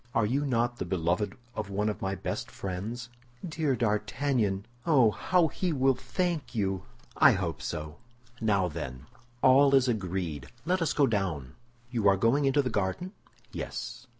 Are you not the beloved of one of my best friends?" "Dear D'Artagnan! Oh, how he will thank you!" "I hope so. Now, then, all is agreed; let us go down." "You are going into the garden?" "Yes."